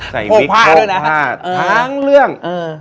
ใส่วิกโภภาษณ์ทั้งเรื่อง